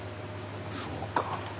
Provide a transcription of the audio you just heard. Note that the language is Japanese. そうか。